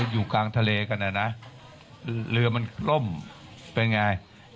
อยู่กลางทะเลกันนะเรือมันกล้มเป็นอย่างไร